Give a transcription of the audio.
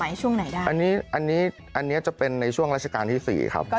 ข้างบัวแห่งสันยินดีต้อนรับทุกท่านนะครับ